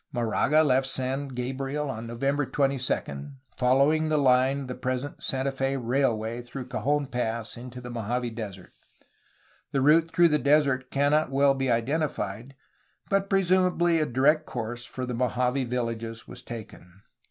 Moraga left San Gabriel on November 22, following the line of the present Santa Fe Railway through Cajon Pass into the Mojave Desert. The route through the desert cannot well be identified, but presumably a direct course for the Mojave villages was taken.